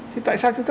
thì tại sao chúng ta